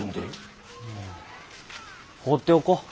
放っておこう。